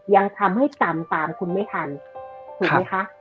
ยังทำให้จำตามคุณไม่ทันถูกไหมคะ